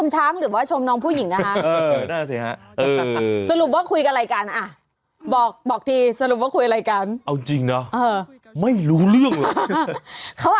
ช่องเน็ตบอกน่ารัก